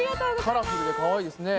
カラフルでかわいいですね。